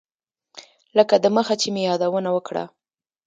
لکه دمخه چې مې یادونه وکړه.